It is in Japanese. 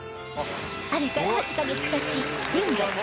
あれから８カ月経ち